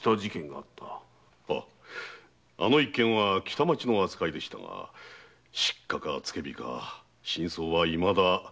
あの一件は北町の扱いでしたが失火か付火か真相は未だ。